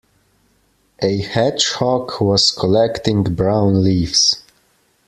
A hedgehog was collecting brown leaves.